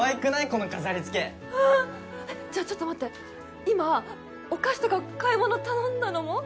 この飾りつけうんじゃちょっと待って今お菓子とか買い物頼んだのも？